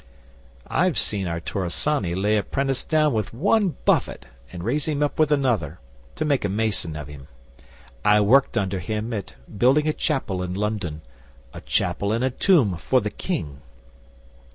I've seen our Torrisany lay a 'prentice down with one buffet and raise him with another to make a mason of him. I worked under him at building a chapel in London a chapel and a tomb for the King.